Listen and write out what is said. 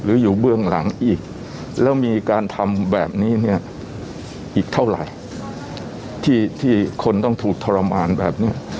อยู่เบื้องหลังอีกแล้วมีการทำแบบนี้เนี่ยอีกเท่าไหร่ที่คนต้องถูกทรมานแบบนี้